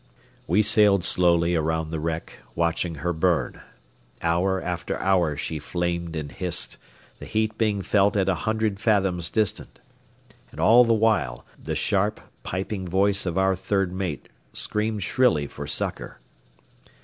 We sailed slowly around the wreck, watching her burn. Hour after hour she flamed and hissed, the heat being felt at a hundred fathoms distant. And all the while, the sharp, piping voice of our third mate screamed shrilly for succor.